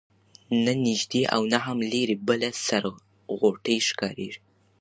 نه نیژدې او نه هم لیري بله سره غوټۍ ښکاریږي